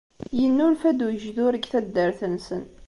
Yennulfa-d ugejdur deg taddart-nsen